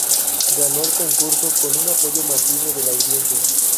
Ganó el concurso con un apoyo masivo de la audiencia.